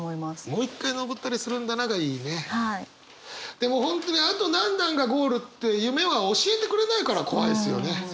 でも本当にあと何段がゴールって夢は教えてくれないから怖いですよね。